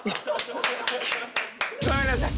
ごめんなさい。